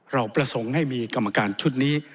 เราประสงค์ให้มีกรรมการชุดนี้